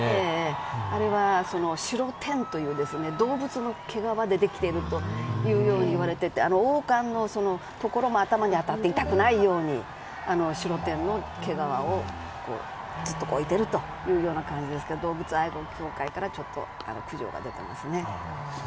あれはシロテンという動物の毛皮でできていると言われていて王冠のところも頭に当たって痛くないようにシロテンの毛皮を置いているということですけれども動物愛護協会からちょっと苦情が出てますね。